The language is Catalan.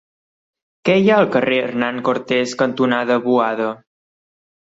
Què hi ha al carrer Hernán Cortés cantonada Boada?